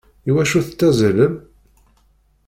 Iwacu tettazzalem?